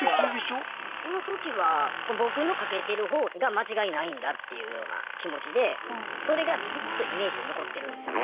その時は「僕の賭けてる方が間違いないんだ」っていうような気持ちでそれがずっとイメージで残ってるんすよ。